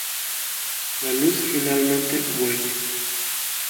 La luz finalmente vuelve.